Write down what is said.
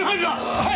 はい！